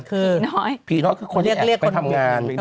คือผีน้อยคือคนที่แอบไปทำงาน